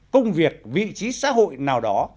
công việc vị trí xã hội nào đó